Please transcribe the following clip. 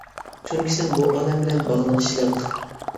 چۈنكى سەن بۇ ئالەم بىلەن باغلىنىشلىق.